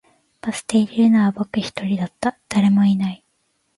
バス停にいるのは僕一人だった、誰もいない